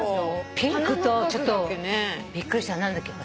ピンクとちょっとびっくりしたの何だっけ？